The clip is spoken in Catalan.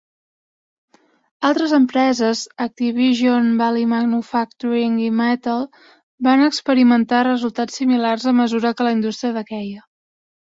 Altres empreses -Activision, Bally Manufacturing i Mattel- van experimentar resultats similars a mesura que la indústria dequeia.